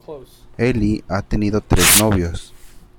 Ellie ha tenido tres novios.